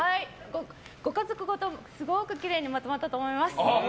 ご家族ごと、すごくきれいにまとまったと思います。